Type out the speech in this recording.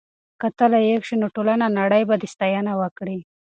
که ته لایق شې نو ټوله نړۍ به دې ستاینه وکړي.